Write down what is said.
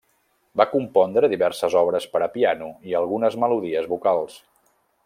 Va compondre diverses obres per a piano i algunes melodies vocals.